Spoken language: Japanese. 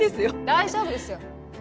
大丈夫ですよ。